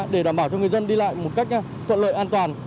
để đảm bảo cho người dân đi lại một cách thuận lợi an toàn